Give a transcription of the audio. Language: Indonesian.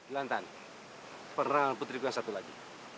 lantan perang putriku yang satu lagi